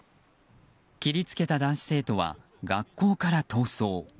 切り付けた男子生徒は学校から逃走。